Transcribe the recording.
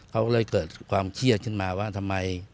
เขาก็เลยเกิดความเครียดขึ้นมาว่าทำไม